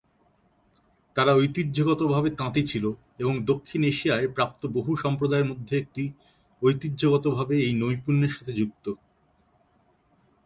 তারা ঐতিহ্যগতভাবে তাঁতি ছিল, এবং দক্ষিণ এশিয়ায় প্রাপ্ত বহু সম্প্রদায়ের মধ্যে একটি, ঐতিহ্যগতভাবে এই নৈপুণ্যের সাথে যুক্ত।